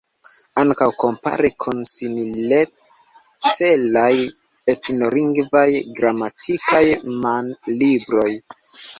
Ankaŭ kompare kun similcelaj etnolingvaj gramatikaj manlibroj.